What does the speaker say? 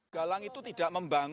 galang itu tidak membangun